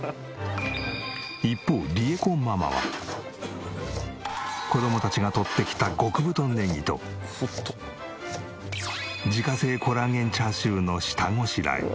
一方子供たちがとってきた極太ネギと自家製コラーゲンチャーシューの下ごしらえ。